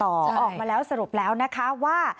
ออกมาแล้วสรุปแล้วนะคะว่า